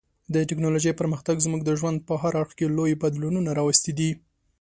د ټکنالوژۍ پرمختګ زموږ د ژوند په هر اړخ کې لوی بدلونونه راوستي دي.